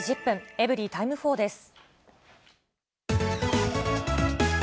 エブリィタイム４です。